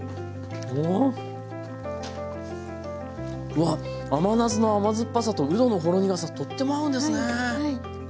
うわっ甘夏の甘酸っぱさとうどのほろ苦さとっても合うんですね。